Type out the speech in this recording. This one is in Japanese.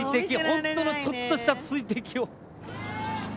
ほんとのちょっとした水滴を。